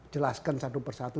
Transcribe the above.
jelaskan satu persatu